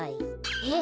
えっ？